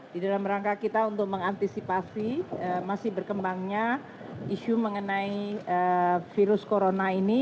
di dalam rangka kita untuk mengantisipasi masih berkembangnya isu mengenai virus corona ini